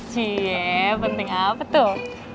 cieee penting apa tuh